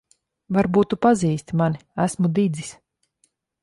Varbūt tu pazīsti mani. Esmu Didzis.